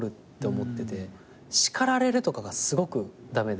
叱られるとかがすごく駄目で。